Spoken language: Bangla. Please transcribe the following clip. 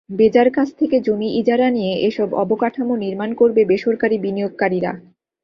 বেজার কাছ থেকে জমি ইজারা নিয়ে এসব অবকাঠামো নির্মাণ করবে বেসরকারি বিনিয়োগকারীরা।